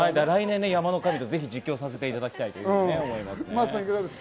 来年、山の神とぜひ実況させていただきたいと思います。